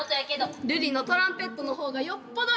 ルリのトランペットの方がよっぽどいい音。